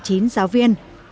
cảm ơn các giáo viên